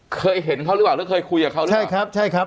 เคยเห็นเขาหรือเปล่าหรือเคยคุยกับเขาหรือเปล่าใช่ครับใช่ครับ